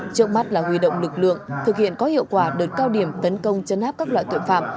trước mắt là huy động lực lượng thực hiện có hiệu quả đợt cao điểm tấn công chấn áp các loại tội phạm